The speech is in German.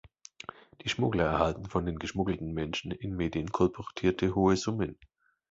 Die Schmuggler erhalten von den geschmuggelten Menschen in Medien kolportierte hohe Summen.